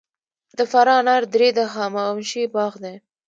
د فراه انار درې د هخامنشي باغ دی